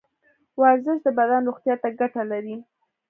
ورزش د بدن روغتیا ته ګټه لري.